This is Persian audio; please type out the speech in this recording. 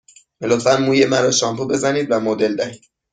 لطفاً موی مرا شامپو بزنید و مدل دهید.